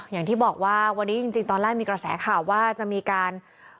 อย่างที่บอกว่าวันนี้จริงตอนแรกมีกระแสข่าวว่าจะมีการ